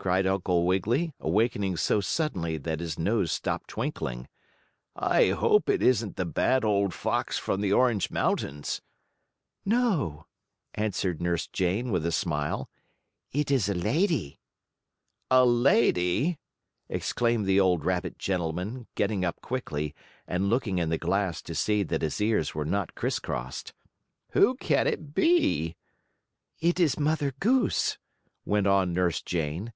cried Uncle Wiggily, awakening so suddenly that his nose stopped twinkling. "I hope it isn't the bad old fox from the Orange Mountains." "No," answered Nurse Jane with a smile, "it is a lady." "A lady?" exclaimed the old rabbit gentleman, getting up quickly, and looking in the glass to see that his ears were not criss crossed. "Who can it be?" "It is Mother Goose," went on Nurse Jane.